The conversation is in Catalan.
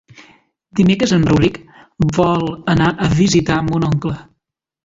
Dimecres en Rauric vol anar a visitar mon oncle.